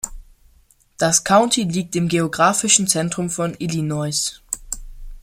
Das County liegt im geografischen Zentrum von Illinois.